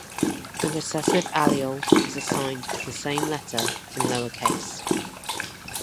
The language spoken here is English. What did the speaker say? The recessive allele is assigned the same letter in lower case.